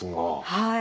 はい。